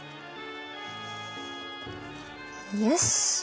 よし。